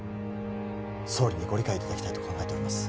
総理にご理解いただきたいと考えております